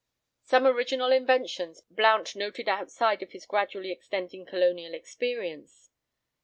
Some original inventions Blount noted outside of his gradually extending colonial experience.